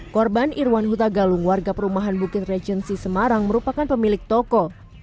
korban irwan huta galung warga perumahan bukit regensi semarang merupakan pemilik toko